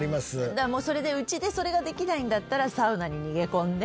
だからもうそれでうちでそれができないんだったらサウナに逃げ込んで。